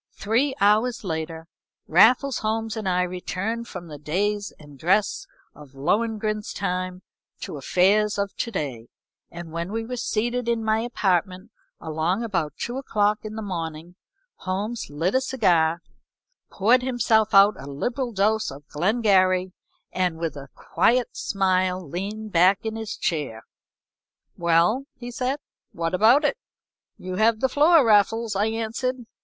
Three hours later Raffles Holmes and I returned from the days and dress of Lohengrin's time to affairs of to day, and when we were seated in my apartment along about two o'clock in the morning, Holmes lit a cigar, poured himself out a liberal dose of Glengarry, and with a quiet smile, leaned back in his chair. "Well," he said, "what about it?" "You have the floor, Raffles," I answered.